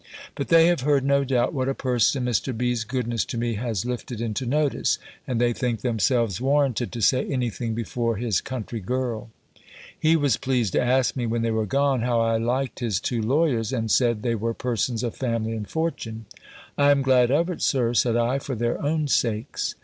But they have heard, no doubt, what a person Mr. B.'s goodness to me has lifted into notice; and they think themselves warranted to say any thing before his country girl. He was pleased to ask me, when they were gone, how I liked his two lawyers? And said, they were persons of family and fortune. "I am glad of it, Sir," said I; "for their own sakes."